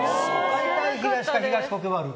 東か、東国原英夫。